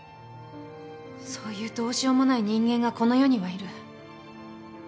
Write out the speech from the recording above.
そういうどうしようもない人間がこの世にはいる。